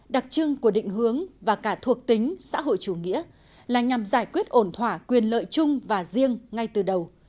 đặc trưng của định hướng và cả thuộc tính xã hội chủ nghĩa là nhằm giải quyết ổn thỏa quyền lợi chung và riêng ngay từ đầu